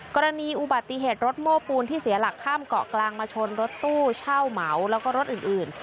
กรณีอุบัติเหตุรถโม้ปูนที่เสียหลักข้ามเกาะกลางมาชนรถตู้เช่าเหมาแล้วก็รถอื่น